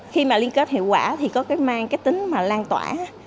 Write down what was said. khi mà liên kết hiệu quả thì có cái mang cái tính mà lan tỏa